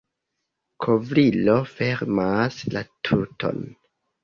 Kovrilo fermas la tuton.